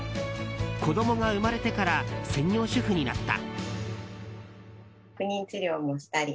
子供が生まれてから専業主婦になった。